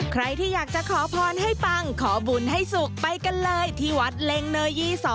ใครที่อยากจะขอพรให้ปังขอบุญให้สุขไปกันเลยที่วัดเล็งเนยี๒